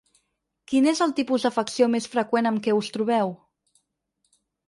Quin és el tipus d’afecció més freqüent amb què us trobeu?